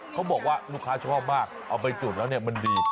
เขาบอกว่าลูกค้าชอบมากเอาไปจุดแล้วเนี่ยมันดี